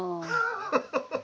ハハハハ！